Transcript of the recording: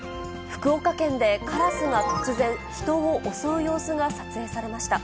福岡県でカラスが突然、人を襲う様子が撮影されました。